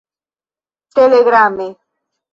telegrame